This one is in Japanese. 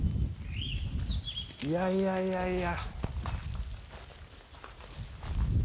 いやいやいやいや。